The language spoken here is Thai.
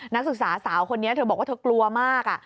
นักศึกษาสาวคนนี้เธอบอกว่าเธอกลัวมาก